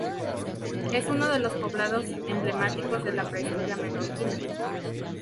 Es uno de los poblados emblemáticos de la prehistoria menorquina.